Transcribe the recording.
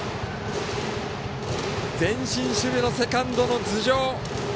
前進守備のセカンドの頭上。